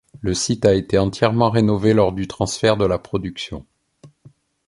Le site a été entièrement rénové lors du transfert de la production.